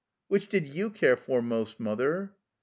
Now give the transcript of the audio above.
"Which did you care for most, Mother?"